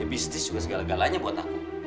bisnis juga segala galanya buat aku